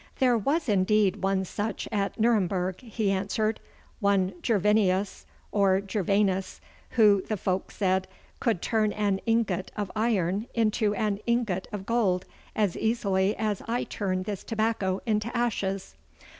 'There was indeed one such at Nurnberg,' he answered, 'one Gervinus or Gervanus, who, the folk said, could turn an ingot of iron into an ingot of gold as easily as I turn this tobacco into ashes.